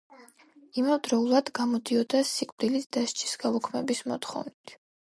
იმავდროულად, გამოდიოდა სიკვდილით დასჯის გაუქმების მოთხოვნით.